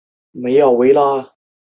帕斯夸尔在场上司职左后卫。